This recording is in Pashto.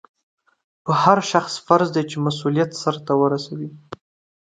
په هر شخص فرض دی چې مسؤلیت سرته ورسوي.